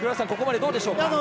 ここまでどうでしょうか。